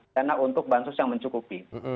dana untuk bansos yang mencukupi